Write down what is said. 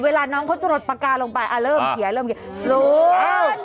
เวลาน้องเขาจะหลดปากกาลงไปเริ่มเขียนเริ่มเขียน